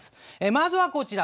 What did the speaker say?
まずはこちら。